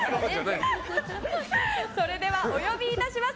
それではお呼びいたします。